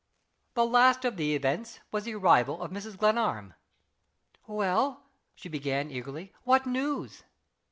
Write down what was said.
The last of the events was the arrival of Mrs. Glenarm. "Well?" she began, eagerly, "what news?"